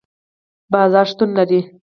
بازار شتون لري